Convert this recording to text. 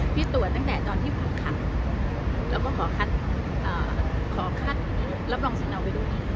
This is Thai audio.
พี่ตรวจตั้งแต่ตอนที่ขอขัดแล้วก็ขอขัดขอระปรองสนองไปด้วย